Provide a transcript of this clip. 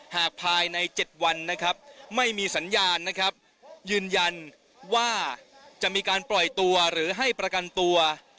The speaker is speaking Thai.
หากภายใน๗วันนะครับไม่มีสัญญาณนะครับยืนยันว่าจะมีการปล่อยตัวหรือให้ประกันตัว